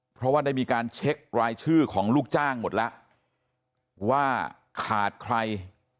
เพราะว่าได้มีการเช็ครายชื่อของลูกจ้างหมดแล้วว่าขาดใคร